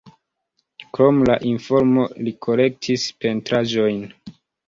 Krom la informo li kolektis pentraĵojn.